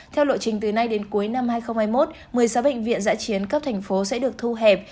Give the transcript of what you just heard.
theo lộ trình từ nay đến cuối năm hai nghìn hai mươi một một mươi sáu bệnh viện giã chiến cấp thành phố sẽ được thu hẹp